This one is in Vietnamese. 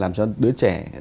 làm cho đứa trẻ